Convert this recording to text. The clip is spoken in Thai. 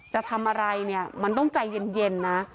จะทำอะไรมันต้องใจเย็นนะ